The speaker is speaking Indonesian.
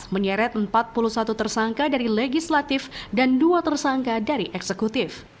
menyeret empat puluh satu tersangka dari legislatif dan dua tersangka dari eksekutif